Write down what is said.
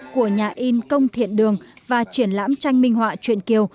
của nhà in công thiện đường và triển lãm tranh minh họa chuyện kiều